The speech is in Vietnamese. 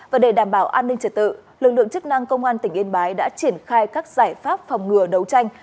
và để đảm bảo an ninh trật tự lực lượng chức năng công an tỉnh yên bái đã triển khai các giải pháp phòng ngừa đấu tranh